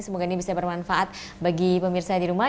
semoga ini bisa bermanfaat bagi pemirsa di rumah